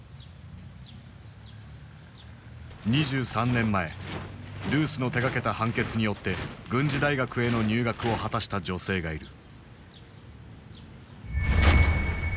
２３年前ルースの手がけた判決によって軍事大学への入学を果たした女性がいる。